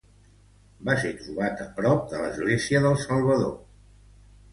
Va ser trobat a prop de l'Església del Salvador.